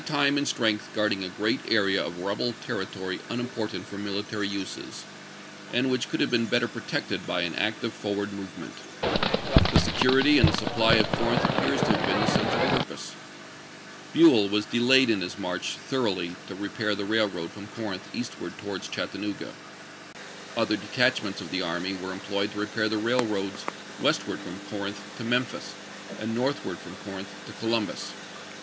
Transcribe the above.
XIX. time and strength guarding a great area of rebel territory unimportant for military uses, and which could have been better protected by an active for ward movement. The security and the supply of Corinth appears to have been the central purpose. Buell was delayed in his march thoroughly to rejiair the railroad from Corinth eastward towards Chattanooga. Other detachments of the army were employed to repair the raih^oads westward from Corinth to Memphis, and northward from Corinth to Columbus.